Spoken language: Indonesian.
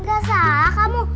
gak salah kamu